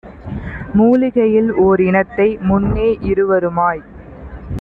மூலிகையில் ஓர்இனத்தை முன்னே இருவருமாய்